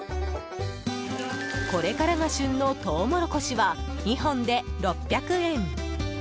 これからが旬のトウモロコシは２本で６００円。